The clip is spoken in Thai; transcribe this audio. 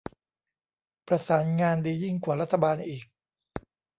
ประสานงานดียิ่งกว่ารัฐบาลอีก